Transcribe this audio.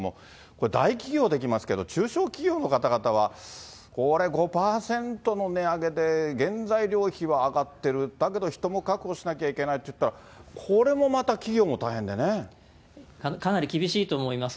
これ、大企業はできますけど、中小企業の方々はこれ、５％の値上げで原材料費は上がってる、だけど人も確保しなきゃいけないっていったら、これもまた、企業かなり厳しいと思います。